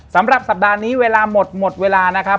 สำหรับสัปดาห์นี้เวลาหมดหมดเวลานะครับ